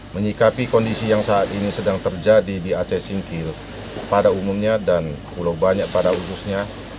menyikapi kondisi yang saat ini sedang terjadi di aceh singkil pada umumnya dan pulau banyak pada khususnya